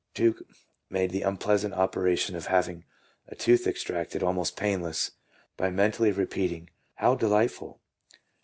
Tuke made the unpleasant operation of having a tooth extracted almost painless by mentally repeating, " How de lightful!"